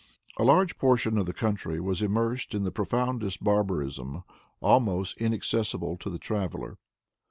A large portion of the country was immersed in the profoundest barbarism, almost inaccessible to the traveler.